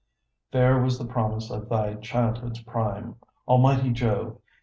Fair was the promise of thy childhood's prime, Almighty Jove!